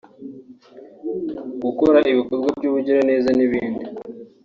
gukora ibikorwa bw’ubugiraneza n’ibindi